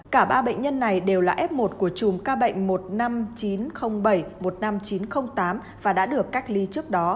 cả ba bệnh nhân này đều là f một của chùm ca bệnh một mươi năm nghìn chín trăm linh bảy một mươi năm nghìn chín trăm linh tám và đã được cách ly trước đó